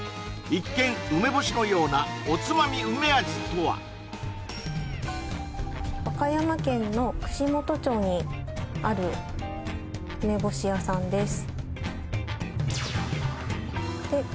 一見梅干しのようなおつまみ梅味とは？にある梅干し屋さんです